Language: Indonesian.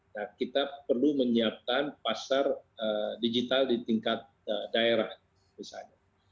nah kita perlu menyiapkan pasar digital di tingkat daerah misalnya